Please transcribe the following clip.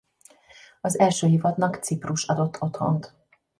Az első évadnak Ciprus adott otthont.